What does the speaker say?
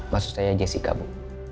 maksud saya jessica bu